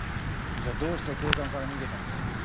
じゃあどうして警官から逃げたんだよ？